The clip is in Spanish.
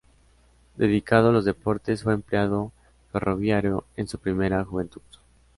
Dedicado a los deportes, fue empleado ferroviario en su primera juventud.